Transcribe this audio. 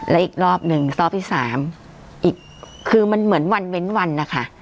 และอีกรอบหนึ่งรอบที่สามอีกคือมันเหมือนวันเว้นวันนะคะ